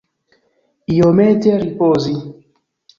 Iomete ripozi.